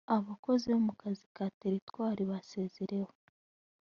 abakozi bo mu kazi ka teritwari barasezerewe